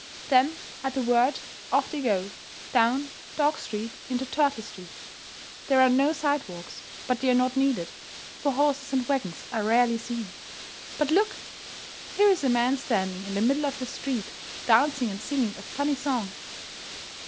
Then, at the word, off they go, down "Dog" Street into "Turtle" Street. There are no sidewalks, but they are not needed, for horses and wagons are rarely seen. [Illustration: THE CANDY MAN.] But look! Here is a man standing in the middle of the street, dancing and singing a funny song.